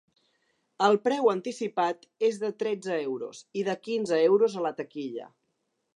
El preu anticipat és de tretze euros i de quinze euros a la taquilla.